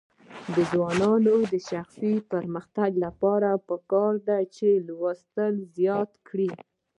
د ځوانانو د شخصي پرمختګ لپاره پکار ده چې لوستل زیات کړي.